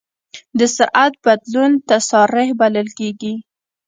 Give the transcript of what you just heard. د سرعت بدلون تسارع بلل کېږي.